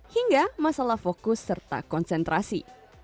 hingga masalah fokus serta konsentrasi